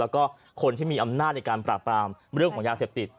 แล้วก็คนที่มีอำนาจในการปราบปรามเรื่องของยาเสพติด